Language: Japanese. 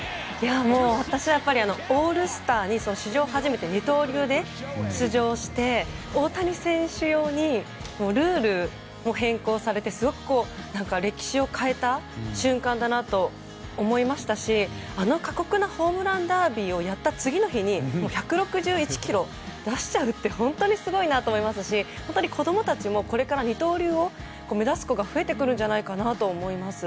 私はやっぱりオールスターに史上初めて二刀流で出場して大谷選手用にルールも変更されてすごく歴史を変えた瞬間だなと思いましたしあの過酷なホームランダービーをやった次の日に１６１キロ出しちゃうって本当にすごいなと思いますし本当に子供たちもこれから二刀流を目指す子が増えてくるんじゃないかなと思います。